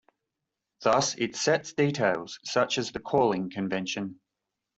Thus it sets details such as the calling convention.